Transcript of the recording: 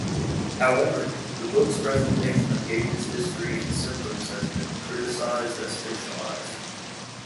However, the book's presentation of Gage's history and symptoms has been criticized as fictionalized.